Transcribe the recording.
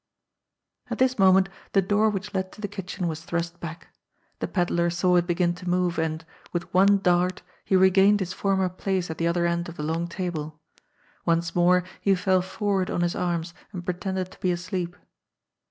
At this moment the door which led to the kitchen was thrust back. The pedlar saw it begin to move, and, with one dart, he regained his former place at the other end of the long table. Once more he fell forward on his arms and pretended to be asleep.